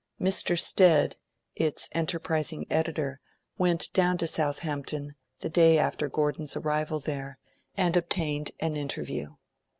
Mr. Stead, its enterprising editor, went down to Southampton the day after Gordon's arrival there, and obtained an interview.